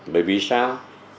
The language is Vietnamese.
bởi vì sao